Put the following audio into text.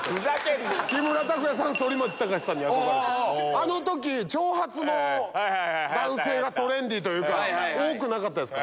あの時長髪の男性がトレンディーというか多くなかったですか。